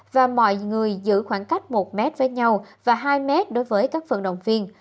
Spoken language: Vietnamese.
và mọi người giữ khoảng cách một m với nhau và hai m đối với các vận động viên